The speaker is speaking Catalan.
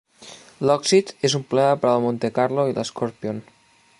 L'òxid és un problema per al Montecarlo i l'Scorpion.